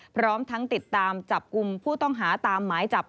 พร้อมทั้งติดตามจับกลุ่มผู้ต้องหาตามหมายจับ